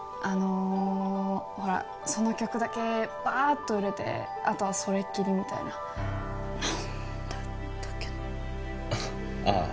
あのほらその曲だけバーッと売れてあとはそれっきりみたいな何だったっけなあ